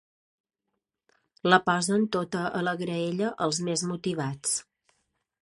La posen tota a la graella els més motivats.